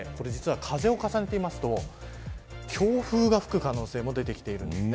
風を重ねてみますと強風が吹く可能性も出てきているんです。